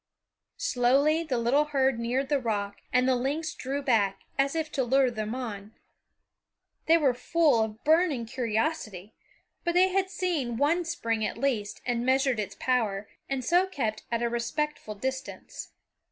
Slowly the little herd neared the rock and the lynx drew back, as if to lure them on. They were full of burning curiosity, but they had seen one spring, at least, and measured its power, and so kept at a respectful distance.